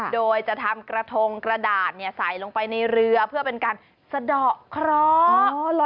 โดยจะทำกระทงกระดาษใส่ลงไปในเรือเพื่อเป็นการสะดอกเคราะห์